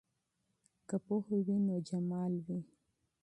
که پوهه وي نو جمال وي.